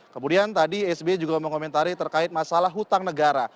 kemudian tadi sby juga mengomentari terkait masalah hutang negara